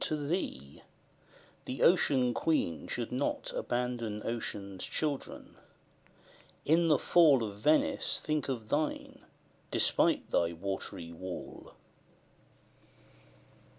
to thee: the Ocean Queen should not Abandon Ocean's children; in the fall Of Venice think of thine, despite thy watery wall.